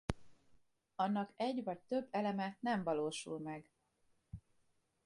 Annak egy vagy több eleme nem valósul meg.